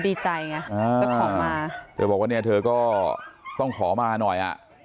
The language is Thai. ดีใจจะขอมาเธอบอกว่าเธอก็ต้องขอมาหน่อย